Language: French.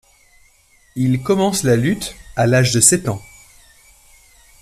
Il commence la lutte à l'âge de sept ans.